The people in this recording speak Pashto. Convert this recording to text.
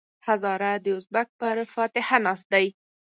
هزاره د ازبک پر فاتحه ناست دی.